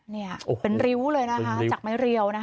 นี่เป็นริ้วเลยนะคะจากไม้เรียวนะคะ